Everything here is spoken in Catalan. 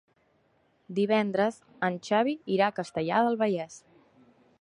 Divendres en Xavi irà a Castellar del Vallès.